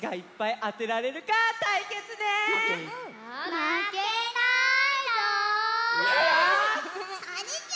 まけないぞ！